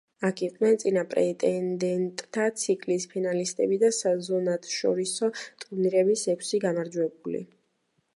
აქ იყვნენ წინა პრეტენდენტთა ციკლის ფინალისტები და საზონათშორისო ტურნირების ექვსი გამარჯვებული.